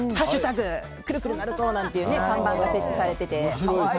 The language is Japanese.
くるくるなると」なんていう看板が設置されていて。